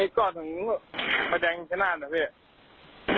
กล่อถึงแผ่นแดงขนาดน่ะพี่